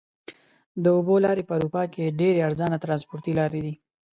د اوبو لارې په اروپا کې ډېرې ارزانه ترانسپورتي لارې دي.